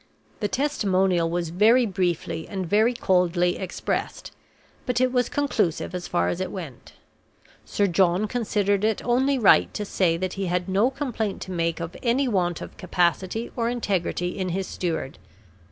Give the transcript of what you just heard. The testimonial was very briefly and very coldly expressed, but it was conclusive as far as it went. Sir John considered it only right to say that he had no complaint to make of any want of capacity or integrity in his steward.